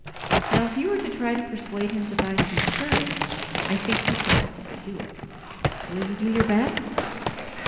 Now if you were to try to persuade him to buy some shirting, I think he perhaps would do it. Will you do your best?"